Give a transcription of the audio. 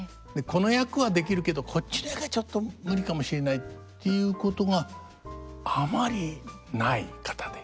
この役はできるけどこっちの役はちょっと無理かもしれないということがあまりない方で。